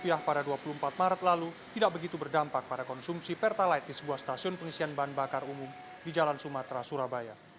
rupiah pada dua puluh empat maret lalu tidak begitu berdampak pada konsumsi pertalite di sebuah stasiun pengisian bahan bakar umum di jalan sumatera surabaya